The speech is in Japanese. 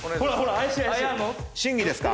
審議ですか？